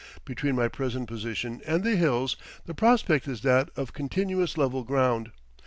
Between my present position and the hills the prospect is that of continuous level ground.